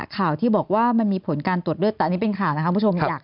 ข่าวที่บอกว่ามันมีผลการตรวจเลือดแต่อันนี้เป็นข่าวนะคะคุณผู้ชมอยาก